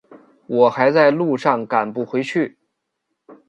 我还在路上赶不回去